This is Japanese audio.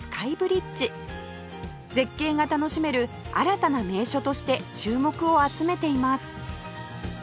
絶景が楽しめる新たな名所として注目を集めています